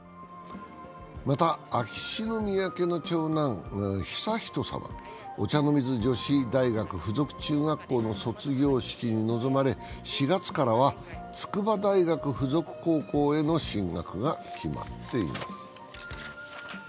また、秋篠宮家の長男悠仁さまお茶の水女子大学附属中学校の卒業式に臨まれ、４月からは筑波大学附属高校への進学が決まっています。